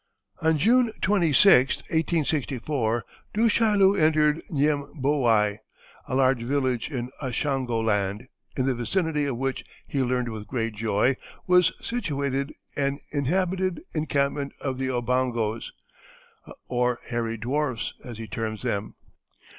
On June 26, 1864, Du Chaillu entered Niembouai, a large village in Ashango Land, in the vicinity of which, he learned with great joy, was situated an inhabited encampment of the Obongos, or hairy dwarfs, as he terms them.